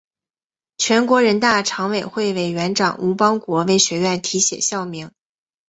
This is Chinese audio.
全国人大常委会委员长吴邦国为学院题写校名。